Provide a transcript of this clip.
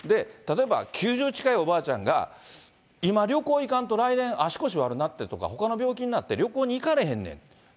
例えば９０近いおばあちゃんが、今、旅行行かんと、来年、足腰悪なってとか、ほかの病気になって旅行に行かれへんねん。